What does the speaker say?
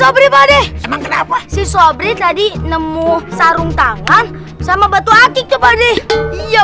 sobrimu adek emang kenapa si sobrimu tadi nemu sarung tangan sama batu akik kepada iya